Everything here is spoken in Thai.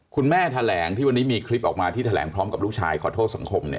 คุณแม่แถลงที่วันนี้มีคลิปออกมาที่แถลงพร้อมกับลูกชายขอโทษสังคม